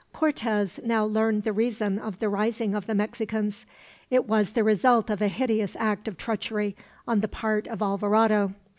Cortez now learned the reason of the rising of the Mexicans. It was the result of a hideous act of treachery, on the part of Alvarado.